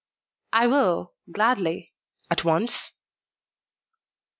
"I will, gladly. At once?"